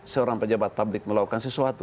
seorang pejabat publik melakukan sesuatu